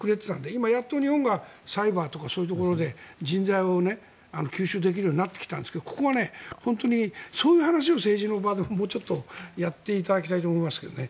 今、やっと日本がサイバーとかそういうところで人材を吸収できるようになってきたんですがここは本当にそういう話を政治の場でもうちょっとやっていただきたいと思いますけどね。